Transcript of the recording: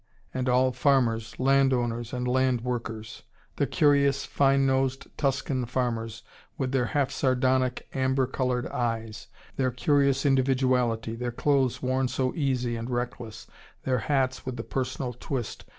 And all farmers, land owners and land workers. The curious, fine nosed Tuscan farmers, with their half sardonic, amber coloured eyes. Their curious individuality, their clothes worn so easy and reckless, their hats with the personal twist.